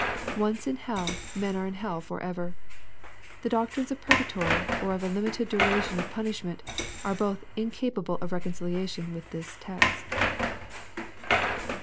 Once in hell, men are in hell for ever. The doctrines of purgatory, or of a Umited duration of punishment, are both incapable of reconciliation with this text.